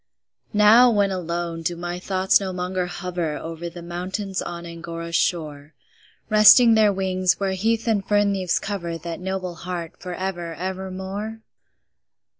Now, when alone, do my thoughts no longer hover Over the mountains on Angora's shore, Resting their wings, where heath and fern leaves cover That noble heart for ever, ever more?